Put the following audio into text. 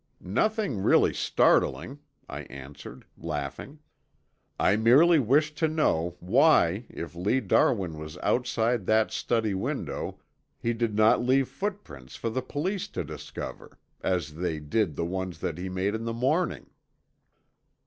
"Nothing really startling," I answered, laughing. "I merely wished to know why if Lee Darwin was outside that study window he did not leave footprints for the police to discover, as they did the ones that he made in the morning."